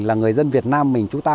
là người dân việt nam mình chúng ta